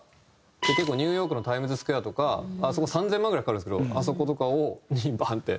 結構ニューヨークのタイムズスクエアとかあそこ３０００万円ぐらいかかるんですけどあそことかにバーンって。